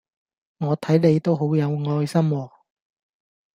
我睇你都好有愛心喎